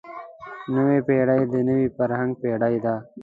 نوې پېړۍ د نوي فرهنګ پېړۍ ده.